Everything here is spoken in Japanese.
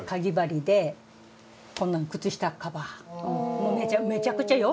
もうめちゃくちゃよ。